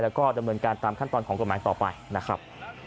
แล้วก็ดำเนินการตามขั้นตอนของกฎหมายต่อไปนะครับ